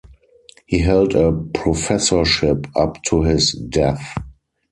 He held a professorship up to his death.